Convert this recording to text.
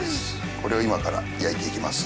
これを今から焼いていきます。